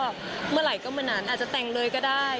เมื่อไหร่ก็เมื่อนั้นอาจจะแต่งเลยก็ได้